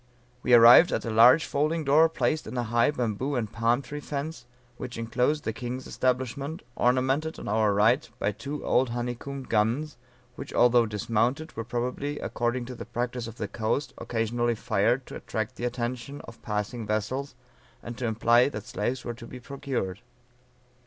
We arrived at a large folding door placed in a high bamboo and palm tree fence, which inclosed the king's establishment, ornamented on our right by two old honeycombed guns, which, although dismounted, were probably, according to the practice of the coast, occasionally fired to attract the attention of passing vessels, and to imply that slaves were to be procured.